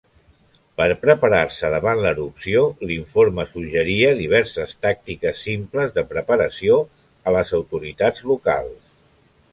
Per preparar-se davant l'erupció, l'informe suggeria diverses tàctiques simples de preparació a les autoritats locals.